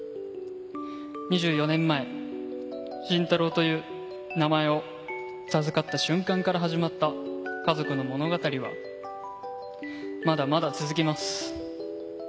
２４年前、晋太朗という名前を授かった瞬間から始まった家族の物語は、まだまだ続きます。